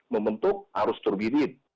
membentuk arus turgidin